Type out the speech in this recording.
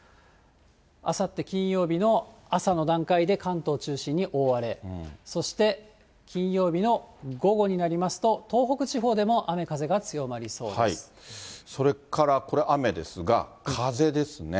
あさって金曜日の朝の段階で関東中心に大荒れ、そして金曜日の午後になりますと、東北地方でも雨風が、それからこれ、雨ですが、風ですね。